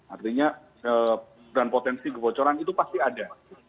artinya dan potensi kebocoran itu pasti ada